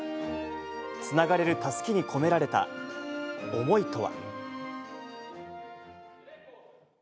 つながれるたすきに込められた思いとは。